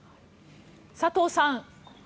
佐藤さん